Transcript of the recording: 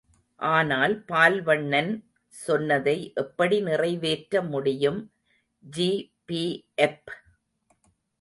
ஆனால் பால்வண்ணன் சொன்னதை எப்படி நிறைவேற்ற முடியும்... ஜி.பி.எப்.